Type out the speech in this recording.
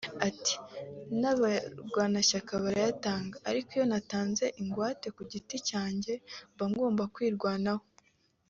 Ati “N’abarwanashyaka barayatanga ariko iyo natanze ingwate ku giti cyanjye mba ngombwa kwirwanaho